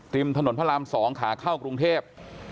กริมถนนพระรามสองขาเข้ากรุงเทพ